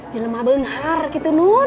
jelema bengar gitu nur